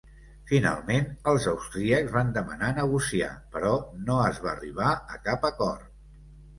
Finalment els austríacs van demanar negociar però no es va arribar a cap acord.